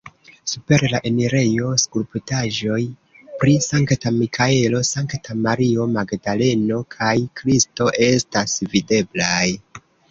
Super la enirejo skulptaĵoj pri Sankta Mikaelo, Sankta Mario Magdaleno kaj Kristo estas videblaj.